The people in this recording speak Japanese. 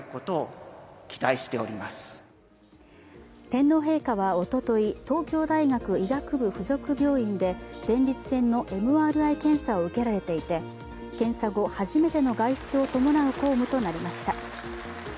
天皇陛下はおととい、東京大学医学部付属病院で前立腺のＭＲＩ検査を受けられていて検査後、初めての外出を伴う公務となりました。